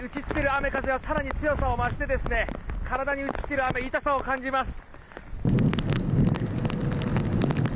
雨風は更に強さを増して体に打ち付ける雨痛さを感じます。